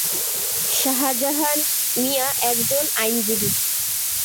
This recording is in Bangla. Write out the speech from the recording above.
শাহজাহান মিয়া একজন আইনজীবী।